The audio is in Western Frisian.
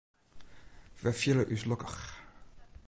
Wy fiele ús lokkich.